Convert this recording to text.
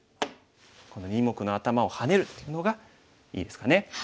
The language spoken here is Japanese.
この２目のアタマをハネるというのがいいですかね。